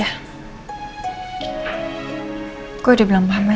saya sudah bilang kepada mama